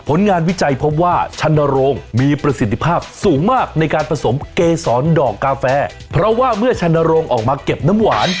งานวิจัยพบว่าชันโรงมีประสิทธิภาพสูงมากในการผสมเกษรดอกกาแฟเพราะว่าเมื่อชันโรงออกมาเก็บน้ำหวาน